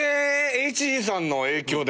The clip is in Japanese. ＨＧさんの影響で！？